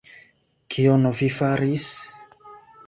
Kion vi faris?